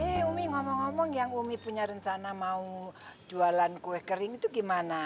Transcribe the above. eh umi ngomong ngomong yang umi punya rencana mau jualan kue kering itu gimana